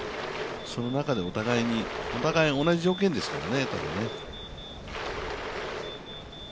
その中で、お互い同じ条件ですからね。